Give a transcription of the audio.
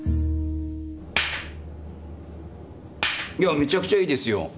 めちゃくちゃいいですよ。